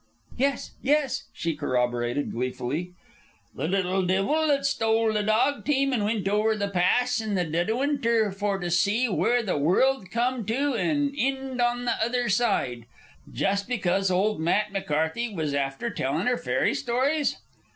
"Yes, yes," she corroborated, gleefully. "The little divil that stole the dog team an' wint over the Pass in the dead o' winter for to see where the world come to an ind on the ither side, just because old Matt McCarthy was afther tellin' her fairy stories?"